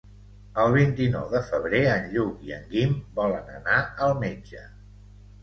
El vint-i-nou de febrer en Lluc i en Guim volen anar al metge.